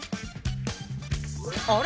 あれ？